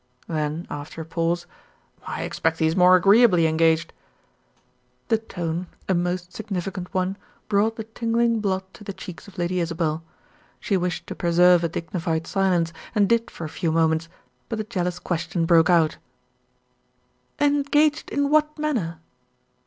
Then, after a pause "I expect he is more agreeably engaged." The tone, a most significant one, brought the tingling blood to the cheeks of Lady Isabel. She wished to preserve a dignified silence, and did for a few moments; but the jealous question broke out, "Engaged in what manner?"